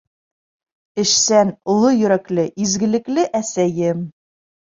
Эшсән, оло йөрәкле, изгелекле әсәйем!